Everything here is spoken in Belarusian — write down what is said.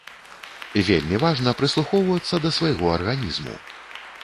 Вельмі важна прыслухоўвацца да свайго арганізму.